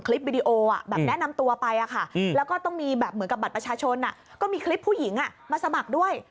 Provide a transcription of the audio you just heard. แล้วก็ต้องมีแบบเหมือนกับบัตรประชาชนก็มีคลิปผู้หญิงมาสมัครด้วย